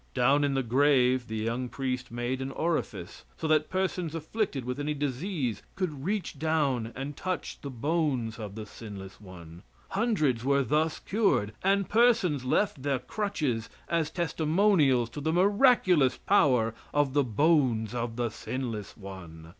Down in the grave the young priest made an orifice, so that persons afflicted with any disease could reach down and touch the bones of the sinless one. Hundreds were thus cured, and persons left their crutches as testimonials to the miraculous power of the bones of the sinless one.